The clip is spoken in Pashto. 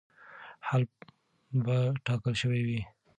حل به ټاکل شوی وي.